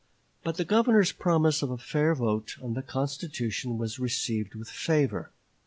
But the Governor's promise of a fair vote on the constitution was received with favor.